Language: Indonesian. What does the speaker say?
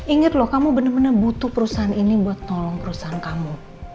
ingat loh kamu bener bener butuh perusahaan ini buat tolong perusahaan kamu